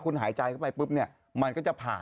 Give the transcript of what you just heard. นี่ไง